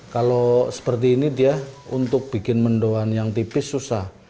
kalau seperti ini dia untuk bikin mendoan yang tipis susah